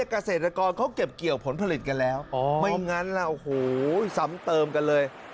เกษตรกรเขาเก็บเกี่ยวผลผลิตกันแล้วไม่งั้นล่ะโอ้โหซ้ำเติมกันเลย